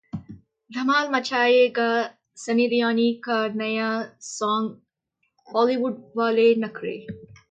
धमाल मचाएगा सनी लियोनी का नया सॉन्ग 'हॉलीवुड वाले नखरे'